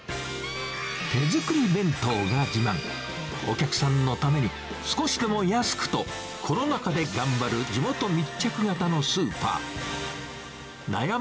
手作り弁当が自慢、お客さんのために、少しでも安くと、コロナ禍で頑張る地元密着型のスーパー。